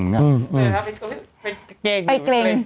ไปเกรง